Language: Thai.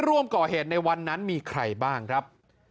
ร่วมก่อเหตุในวันนั้นมีใครบ้างครับ